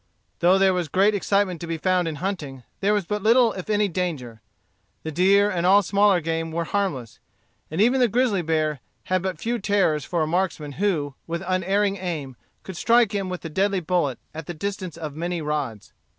Though there was great excitement to be found in hunting, there was but little if any danger. The deer and all smaller game were harmless. And even the grizzly bear had but few terrors for a marksman who, with unerring aim, could strike him with the deadly bullet at the distance of many rods.